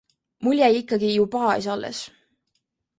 Mul jäi ikkagi ju baas alles.